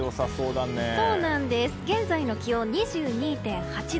現在の気温は２２．８度。